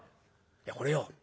「いやこれよ